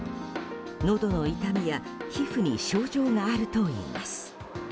のどの痛みや皮膚に症状があるといいます。